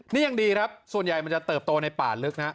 นี่ยังดีครับส่วนใหญ่มันจะเติบโตในป่าลึกนะ